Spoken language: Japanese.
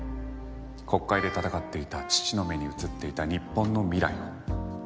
国会で戦っていた父の目に映っていた日本の未来を。